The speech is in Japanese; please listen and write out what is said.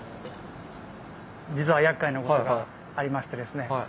実はやっかいなことがありましてですね